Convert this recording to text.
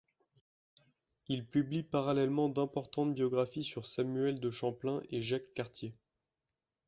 Il publie parallèlement d'importantes biographies sur Samuel de Champlain et Jacques Cartier.